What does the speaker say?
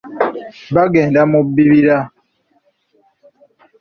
Bagenda mu bibira.